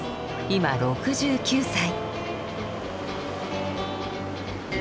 今６９歳。